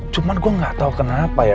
cuman gue nggak tahu kenapa ya